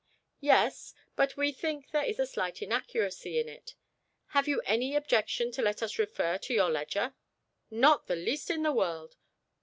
"Yes; but we think there is a slight inaccuracy in it. Have you any objection to let us refer to your ledger?" "Not the least in the world.